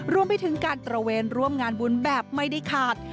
รวมไปถึงการตระเวนร่วมงานบุญแบบไม่ได้ขาด